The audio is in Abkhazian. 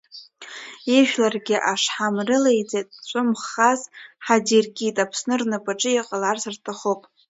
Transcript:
Ижәларгьы ашҳам рылеиҵеит, цәымӷас ҳадиркит, Аԥсны рнапаҿы иҟаларц рҭахуп.